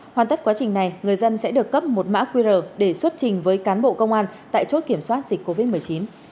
hoàn tất quá trình này người dân sẽ được cấp một mã qr để xuất trình với cán bộ công an tại chốt kiểm soát dịch covid một mươi chín